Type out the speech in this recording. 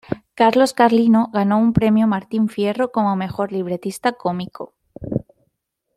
Carlos Carlino ganó un Premio Martín Fierro como mejor libretista cómico.